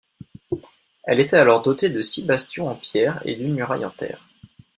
Elle était alors dotée de six bastions en pierres et d'une muraille en terre.